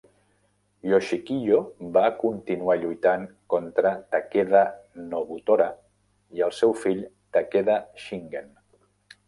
Yoshikiyo va continuar lluitant contra Takeda Nobutora i el seu fill Takeda Shingen.